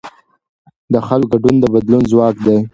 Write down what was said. د خلکو ګډون د بدلون ځواک دی